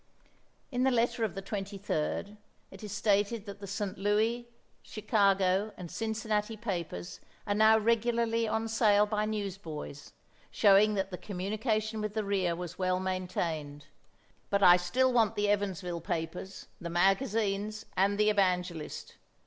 In the letter of the 23d it is stated that the St. Louis, Chicago, and Cincinnati papers are now regularly on sale by newsboys, showing that the communication with the rear was well maintained, but I still want the Evansville papers, the magazines and the "Evangelist."